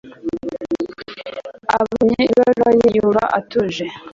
Abonye ibaruwa ye yumva atuje